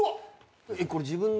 これ自分の？